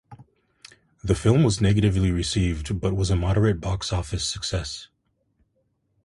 The film was negatively received but was a moderate box office success.